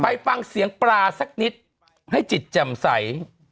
ไปฟังเสียงปลาสักนิดให้จิตแจ่มใส